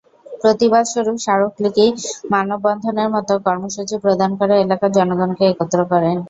প্রতিবাদস্বরূপ স্মারকলিপি, মানববন্ধনের মতো কর্মসূচি প্রদান করে এলাকার জনগণকে একত্র করেন।